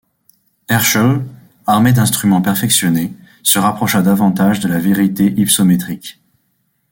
Herschel, armé d’instruments perfectionnés, se rapprocha davantage de la vérité hypsométrique.